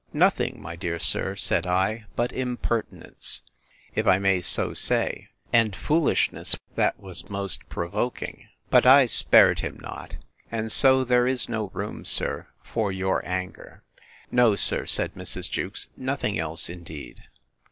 Nothing, my dear sir, said I, but impertinence, if I may so say, and foolishness, that was very provoking; but I spared him not; and so there is no room, sir, for your anger. No, sir, said Mrs. Jewkes, nothing else indeed.